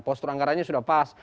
postur anggarannya sudah pas